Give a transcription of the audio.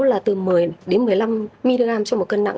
là từ một mươi một mươi năm mg cho một cân nặng